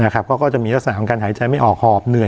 ก็จะมีลักษณะของการหายใจไม่ออกหอบเหนื่อย